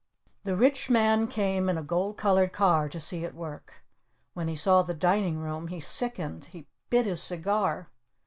The Rich Man came in a gold colored car to see it work. When he saw the Dining Room he sickened. He bit his cigar.